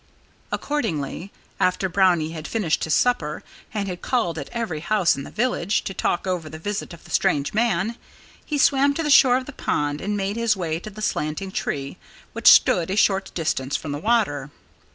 Accordingly, after Brownie had finished his supper and had called at every house in the village to talk over the visit of the strange man, he swam to the shore of the pond and made his way to the slanting tree, which stood a short distance from the water.